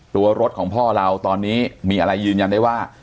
ตัวรถของพ่อเราตอนนี้มีอะไรยืนยันได้ว่า